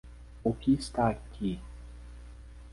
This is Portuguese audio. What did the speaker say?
O que está aqui?